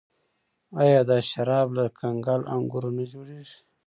آیا دا شراب له کنګل انګورو نه جوړیږي؟